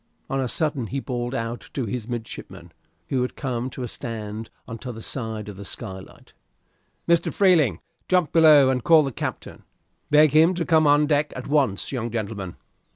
On a sudden he bawled out to the two midshipmen, who had come to a stand on t'other side the skylight "Mr. Freeling, jump below and call the captain. Beg him to come on deck at once, young gentleman."